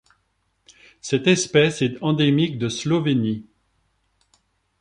Cette espèce est endémique de Slovénie.